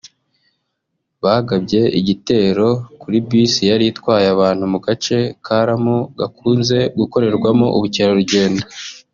bagabye igitero kuri bisi yari itwaye abantu mu gace ka Lamu gakunze gukorerwamo ubukerarugendo